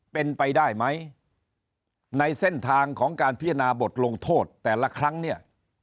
เป็นไปได้ไหมในเส้นทางของการพิจารณาบทลงโทษแต่ละครั้งเนี่ย